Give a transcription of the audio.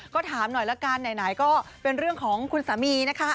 ก็ถามหน่อยละกันไหนก็เป็นเรื่องของคุณสามีนะคะ